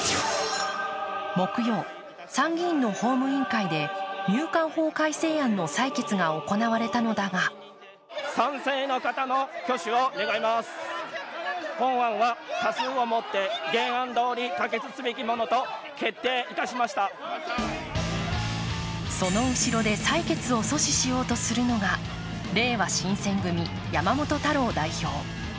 木曜、参議院の法務委員会で入管法改正案の採決が行われたのだがその後ろで採決を阻止しようとするのがれいわ新選組、山本太郎代表。